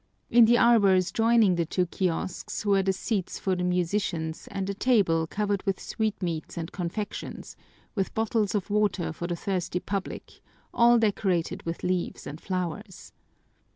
In the arbors joining the two kiosks were the seats for the musicians and a table covered with sweetmeats and confections, with bottles of water for the thirsty public, all decorated with leaves and flowers.